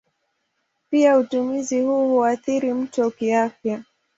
Pia utumizi huu huathiri mtu kiafya.